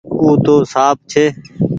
او تو سانپ ڇي۔